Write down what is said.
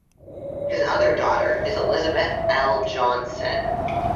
His other daughter is Elizabeth L. Johnson.